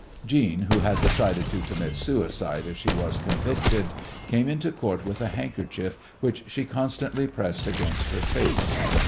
Jeanne, who had decided to commit suicide if she was convicted, came into Court with a handkerchief which she constantly pressed against her face.